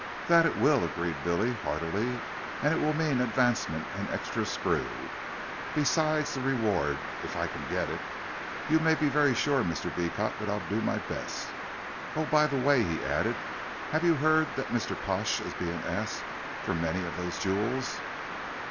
"That it will," agreed Billy, heartily, "and it will mean advancement and extra screw: besides the reward if I can get it. You may be very sure, Mr. Beecot, that I'll do my best. Oh, by the way," he added, "have you heard that Mr. Pash is being asked for many of those jewels?"